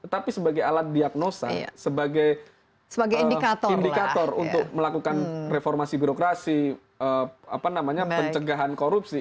tapi sebagai alat diagnosa sebagai indikator untuk melakukan reformasi birokrasi pencegahan korupsi